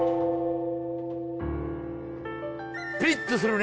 ピッとするね。